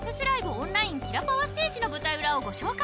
オンラインキラパワステージの舞台裏をご紹介。